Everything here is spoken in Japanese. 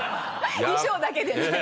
衣装だけでね。